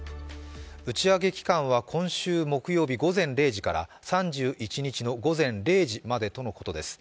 打ち上げ期間は今週木曜日午前０時から３１日の午前０時までとのことです。